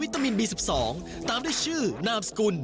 ตับสองตามได้ชื่อนามสกุล